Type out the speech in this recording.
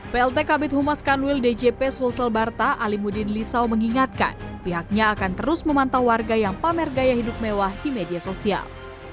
plt kabit humas kanwil djp sulsel barta alimudin lisau mengingatkan pihaknya akan terus memantau warga yang pamer gaya hidup mewah di media sosial